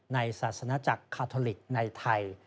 ศาสนาจักรคาทอลิกในไทย